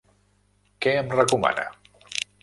Què em recomana?